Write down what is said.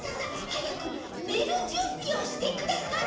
はやくねるじゅんびをしてください。